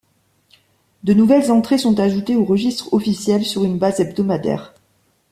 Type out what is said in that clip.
De nouvelles entrées sont ajoutées au Registre officiel sur une base hebdomadaire.